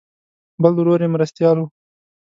بل ورور یې مرستیال و.